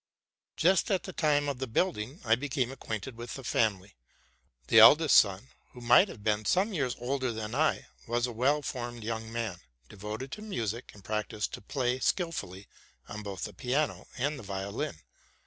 Just at the time of the building I be came acquainted with the family. The eldest son, who might have been some years older than I, was a well formed young man, devoted to music, and practised to play skilfully on both the piano and the violin.